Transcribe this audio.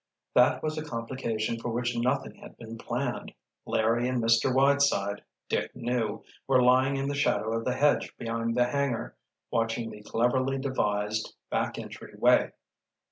That was a complication for which nothing had been planned. Larry and Mr. Whiteside, Dick knew, were lying in the shadow of the hedge behind the hangar, watching the cleverly devised back entry way.